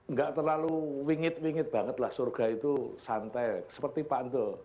nggak terlalu wingit wingit banget lah surga itu santai seperti pandu